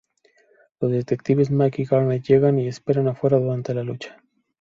Los detectives Mike y Garnet llegan y esperan afuera durante la lucha.